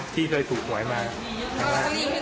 ๑๐ปีแล้วเคยถูกหวยเรากันใหญ่ไหม